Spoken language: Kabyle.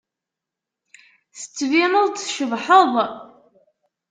Tettbineḍ-d tcebḥeḍ.